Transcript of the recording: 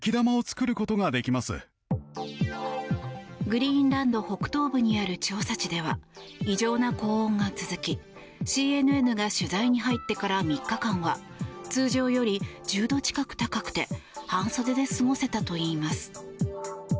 グリーンランド北東部にある調査地では異常な高温が続きＣＮＮが取材に入ってから３日間は通常より１０度近く高くて半袖で過ごせたといいます。